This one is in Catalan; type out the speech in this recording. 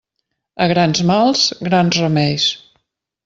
A grans mals, grans remeis.